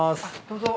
どうぞ。